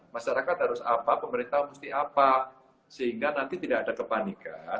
masyarakat harus apa pemerintah mesti apa sehingga nanti tidak ada kepanikan